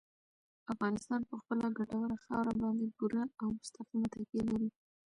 افغانستان په خپله ګټوره خاوره باندې پوره او مستقیمه تکیه لري.